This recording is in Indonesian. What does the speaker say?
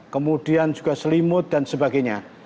kemudian juga selimut dan sebagainya